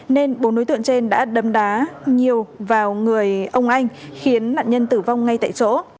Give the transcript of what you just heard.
nên bốn đối tượng trên đã đấm đá nhiều vào người ông anh khiến nạn nhân tử vong ngay tại chỗ